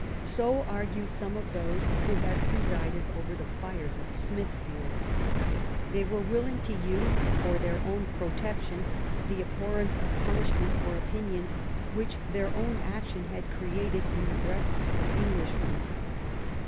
So argued some of those who had presided over the fires of Smithfield. They were willing to use, for their own protection, the abhorrence of punishment for opinions which their own action had created in the breasts of Englishmen.